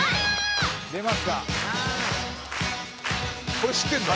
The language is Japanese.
「これ知ってんの？」